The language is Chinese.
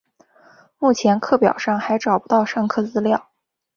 目前课表还找不到上课资料